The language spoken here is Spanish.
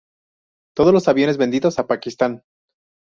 Todos los aviones vendidos a Pakistán.